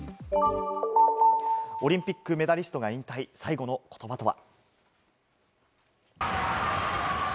オリンピックメダリストが引退、最後の言葉とは。